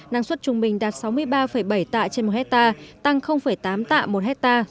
năng suất trung bình đạt sáu mươi ba bảy tạ trên một hectare tăng tám tạ một ha